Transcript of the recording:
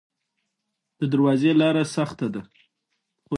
د درواز لاره سخته ده